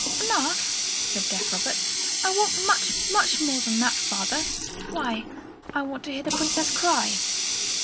"Enough?" said deaf Robert. "I want much, much more than that, father. Why, I want to hear the Princess cry!"